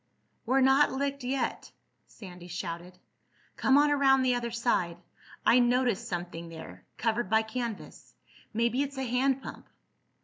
"We're not licked yet," Sandy shouted. "Come on around the other side. I noticed something there—covered by canvas. Maybe it's a hand pump."